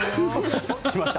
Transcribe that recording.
来ました？